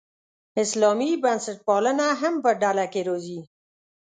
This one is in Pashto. اسلامي بنسټپالنه هم په ډله کې راځي.